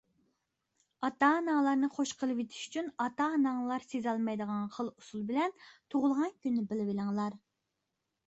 -ئاتا-ئاناڭلارنى خۇش قىلىۋېتىش ئۈچۈن، ئاتا-ئاناڭلار سېزەلمەيدىغان خىل ئۇسۇل بىلەن تۇغۇلغان كۈنىنى بىلىۋېلىڭلار.